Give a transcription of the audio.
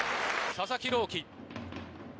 佐々木朗希。